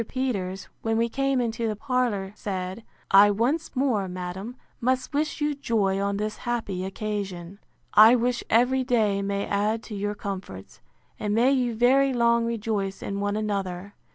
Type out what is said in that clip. Peters, when we came into the parlour, said, I once more, madam, must wish you joy on this happy occasion. I wish every day may add to your comforts; and may you very long rejoice in one another!